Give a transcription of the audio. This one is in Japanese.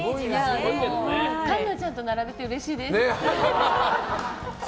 環奈ちゃんと並べてうれしいです。